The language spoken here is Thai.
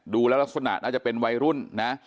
ดูแล้วลักษณะน่าจะเป็นวัยรุ่นนะ